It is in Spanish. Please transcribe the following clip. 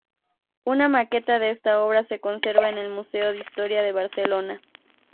Una maqueta de esta obra se conserva en el Museo de Historia de Barcelona.